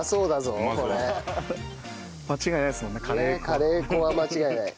カレー粉は間違いない。